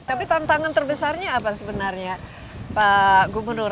tapi tantangan terbesarnya apa sebenarnya pak gubernur